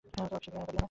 আমার অফিসে কেঁদো না।